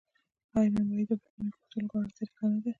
آیا نانواتې د بخښنې غوښتلو غوره طریقه نه ده؟